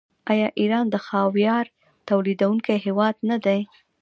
آیا ایران د خاویار تولیدونکی هیواد نه دی؟